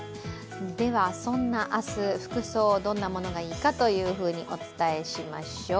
そんな明日、服装どんなものがいいかお伝えしましょう。